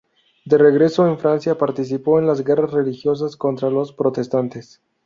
De regreso en Francia, participó en las guerras religiosas contra los protestantes.